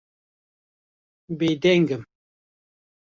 Bêdeng im.